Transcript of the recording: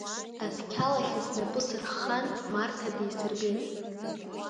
Асқьалахьы снапы сырххан, Марҭа дисырбеит.